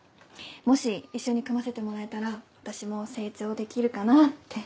もし一緒に組ませてもらえたら私も成長できるかなって。